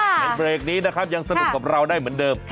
ในเบรกนี้นะครับยังสนุกกับเราได้เหมือนเดิม